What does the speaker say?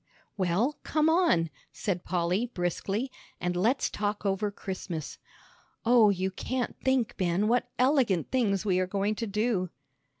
"Well, come on," said Polly, briskly, "and let's talk over Christmas. Oh, you can't think, Ben, what elegant things we are going to do!"